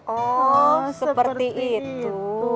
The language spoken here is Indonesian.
oh seperti itu